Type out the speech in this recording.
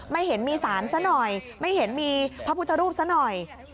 ไม่เห็นมีสารซะหน่อยไม่เห็นมีพระพุทธรูปซะหน่อย